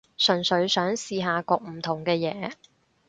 純粹想試下焗唔同嘅嘢